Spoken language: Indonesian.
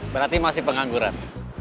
berarti masih pengangguran